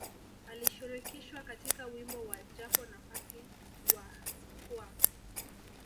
Alishirikishwa katika wimbo wa Japo Nafasi wa Cpwaa